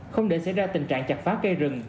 không để xảy ra tình trạng chặt phá cây rừng